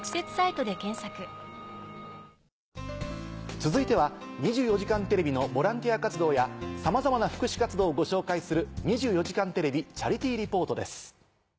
続いては『２４時間テレビ』のボランティア活動やさまざまな福祉活動をご紹介する。